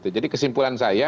jadi kesimpulan saya